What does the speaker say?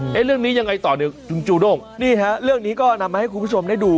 เรื่องนี้ยังไงต่อเนี่ยคุณจูด้งนี่ฮะเรื่องนี้ก็นำมาให้คุณผู้ชมได้ดู